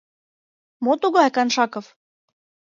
— Мо тугай, Коншаков?